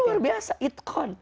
itu luar biasa itkon